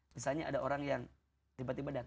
misalnya ada orang yang tiba tiba datang